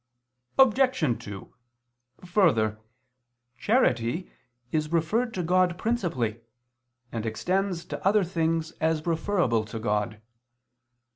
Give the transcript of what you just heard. Obj. 2: Further, charity is referred to God principally, and extends to other things as referable to God.